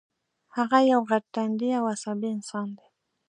هغه یو غټ ټنډی او عصبي انسان دی